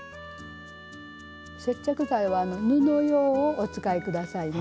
接着剤は布用をお使い下さいね。